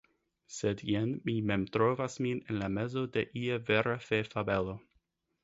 Sed jen mi mem trovas min en la mezo de ia vera fefabelo!